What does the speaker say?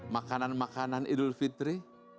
makanan makanan idul fitri